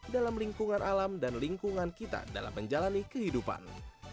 dalam lingkungan alam dan lingkungan kita dalam menjalani kehidupan